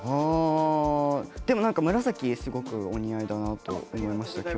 でも紫すごくお似合いだなと思いましたけど。